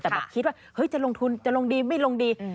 แต่แบบคิดว่าเฮ้ยจะลงทุนจะลงดีไม่ลงดี